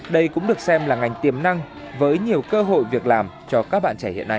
đây cũng được xem là ngành tiềm năng với nhiều cơ hội việc làm cho các bạn trẻ hiện nay